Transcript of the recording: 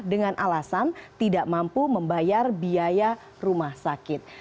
dengan alasan tidak mampu membayar biaya rumah sakit